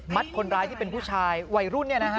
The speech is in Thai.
มัดคนร้ายที่เป็นผู้ชายวัยรุ่นเนี่ยนะคะ